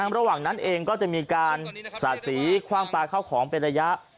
ระหว่างนั้นเองก็จะมีการสาดสีคว่างปลาเข้าของเป็นระยะ